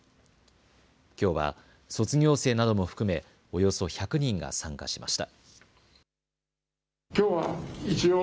きょうは卒業生なども含めおよそ１００人が参加しました。